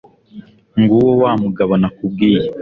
nguwo wa mugabo nakubwiye